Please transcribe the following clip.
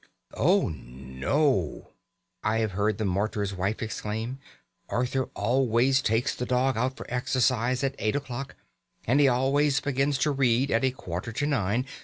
"Oh, no," I have heard the martyred wife exclaim, "Arthur always takes the dog out for exercise at eight o'clock and he always begins to read at a quarter to nine.